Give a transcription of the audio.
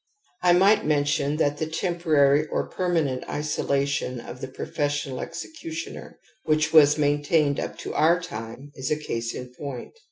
I might mention that the(temporary or permanent isola^ tion of the professional executioner, which was mamtamed up to oiu* time, is a case in point.